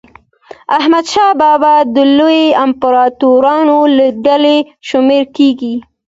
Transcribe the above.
حمدشاه بابا د لویو امپراطورانو له ډلي شمېرل کېږي.